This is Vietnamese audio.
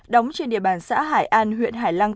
đóng trên địa bàn xã hải an huyện hải lăng